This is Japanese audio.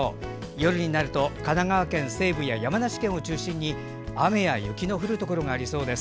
夜になると神奈川県西部や山梨県を中心に雨や雪の降るところがありそうです。